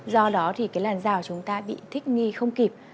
do đó làn dao chúng ta bị thích nghi không kịp